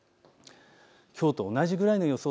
きょうと同じくらいの予想